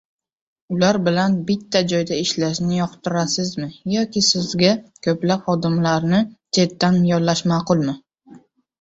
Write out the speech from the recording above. Ular bilan bitta joyda ishlashni yoqtirasizmi yoki sizga koʻplab xodimlarni chetdan yollash maʼqulmi?